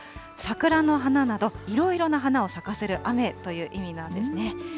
桜の花など、いろいろな花を咲かせる雨という意味なんですね。